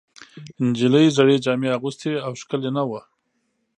نجلۍ زړې جامې اغوستې وې او ښکلې نه وه.